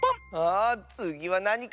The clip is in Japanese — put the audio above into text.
あつぎはなにかな？